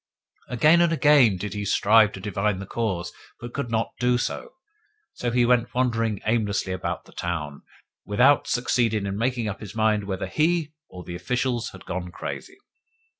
Again and again did he strive to divine the cause, but could not do so; so he went wandering aimlessly about the town, without succeeding in making up his mind whether he or the officials had gone crazy.